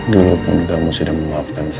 dulu pun kamu sudah memaafkan saya